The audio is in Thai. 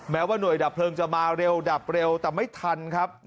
แม้ว่าหน่วยดับเพลิงจะมาเร็วแต่ไม่ทัน